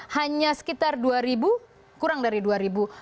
hanya sekitar dua ribu kurang dari dua ribu